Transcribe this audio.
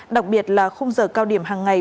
đặc biệt là không giờ cao điểm hàng ngày